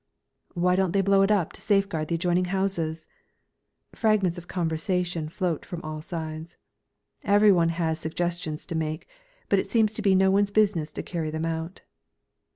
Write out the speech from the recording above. "Why don't they blow it up to safeguard the adjoining houses?" Fragments of conversation float from all sides. Everyone has suggestions to make, but it seems to be no one's business to carry them out.